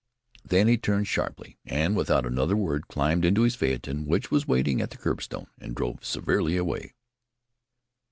Then he turned sharply, and without another word climbed into his phaeton, which was waiting at the curbstone, and drove severely away.